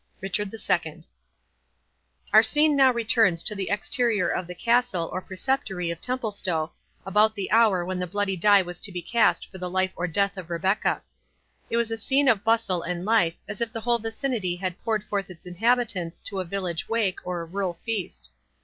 RICHARD II Our scene now returns to the exterior of the Castle, or Preceptory, of Templestowe, about the hour when the bloody die was to be cast for the life or death of Rebecca. It was a scene of bustle and life, as if the whole vicinity had poured forth its inhabitants to a village wake, or rural feast.